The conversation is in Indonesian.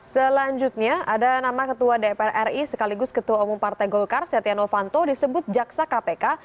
selanjutnya ada nama ketua dpr ri sekaligus ketua umum partai golkar setia novanto disebut jaksa kpk